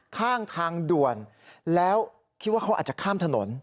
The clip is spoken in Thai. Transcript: ข้างทางด่วนแล้วคิดว่าเขาอาจจะข้ามถนน